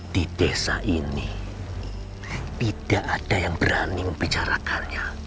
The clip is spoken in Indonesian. di desa ini tidak ada yang berani membicarakannya